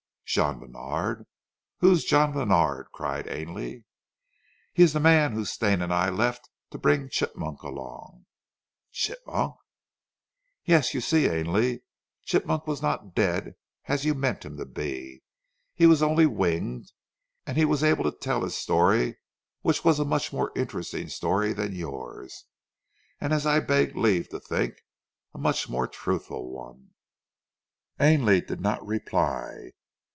"Jean Bènard? Who is Jean Bènard?" cried Ainley. "He is the man who Stane and I left to bring Chigmok along." "Chigmok!" "Yes, you see, Ainley, Chigmok was not dead as you meant him to be. He was only winged, and he was able to tell his story which was a much more interesting story than yours, and as I beg leave to think, a much more truthful one." Ainley did not reply.